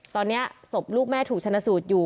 ตอนนี้ศพลูกแม่ถูกชนะสูตรอยู่